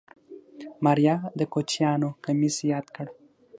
ماريا د کوچيانو کميس ياد کړ.